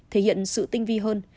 thể hiện sự tinh vi hơn